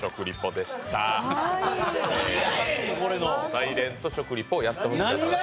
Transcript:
サイレント食リポをやってほしかった。